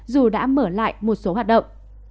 dù đã mở lại một số hoạt động